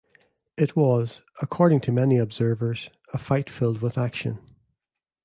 It was, according to many observers, a fight filled with action.